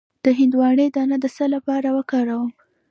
د هندواڼې دانه د څه لپاره وکاروم؟